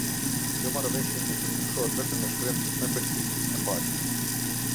Kjo Marrëveshje mund të ndryshohet vetëm me shkrim me pëlqimin e palëve.